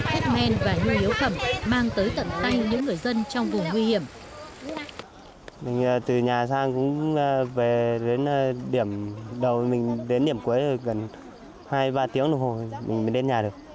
thuốc men và nhu yếu phẩm mang tới tận tay những người dân trong vùng nguy hiểm